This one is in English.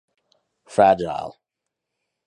Fragile.